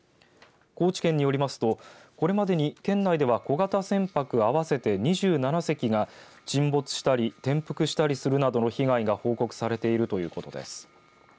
高知県によりますとこれまでに県内では小型船舶合わせて２７隻が沈没したり転覆したりするなどの被害が報告されているということです。